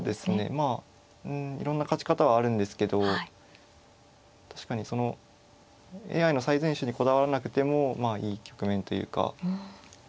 まあうんいろんな勝ち方はあるんですけど確かにそのＡＩの最善手にこだわらなくてもまあいい局面というか。